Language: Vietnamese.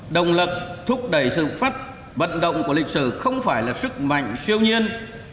động lực thúc đẩy sự phát vận động của lịch sử không phải là sức mạnh siêu nhiên